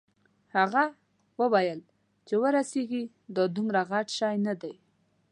هغه وویل چې ورسیږې دا دومره غټ شی نه دی.